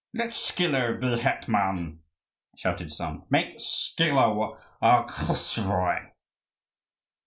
"Let Schilo be hetman!" shouted some: "make Schilo our Koschevoi!"